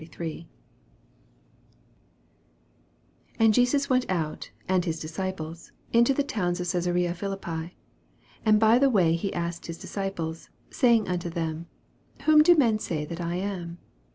2733 27 And Jesus went out, and his disciples, into the towns of Caesarea Philippi : and by the way he asked his disciples, saying unto them, Whom do men say that I am